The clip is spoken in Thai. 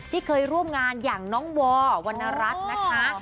ที่เคยร่วมงานอย่างน้องวอวรรณรัฐนะคะ